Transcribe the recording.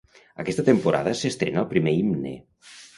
Aquesta temporada s'estrena el primer Himne.